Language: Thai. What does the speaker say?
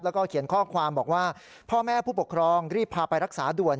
แล้วก็เขียนข้อความบอกว่าพ่อแม่ผู้ปกครองรีบพาไปรักษาด่วน